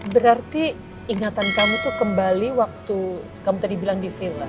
berarti ingatan kamu itu kembali waktu kamu tadi bilang di villa